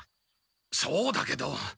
そうだけど。